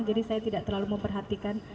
jadi saya tidak terlalu memperhatikan